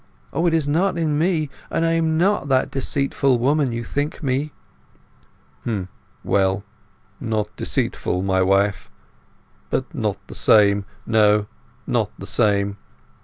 O, it is not in me, and I am not that deceitful woman you think me!" "H'm—well. Not deceitful, my wife; but not the same. No, not the same.